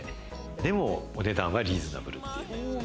でもお値段はリーズナブルっていう。